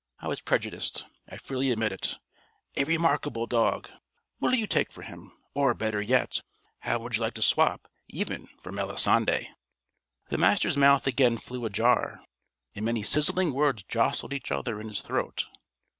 I was prejudiced. I freely admit it. A remarkable dog. What'll you take for him? Or better yet, how would you like to swap, even, for Melisande?" The Master's mouth again flew ajar, and many sizzling words jostled each other in his throat.